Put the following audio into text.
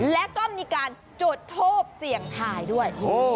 และก็มีการจุดทูปเสี่ยงทายด้วย